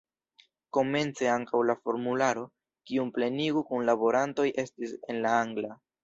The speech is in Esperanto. Komence ankaŭ la formularo, kiun plenigu kunlaborantoj, estis en la angla.